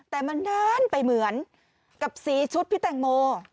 แต่มันด้านไปเหมือนกับสีชุดพี่แตงโม